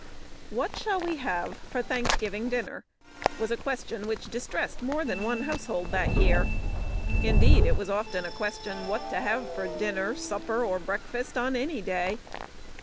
"What shall we have for Thanksgiving dinner?" was a question which distressed more than one household that year. Indeed, it was often a question what to have for dinner, supper, or breakfast on any day.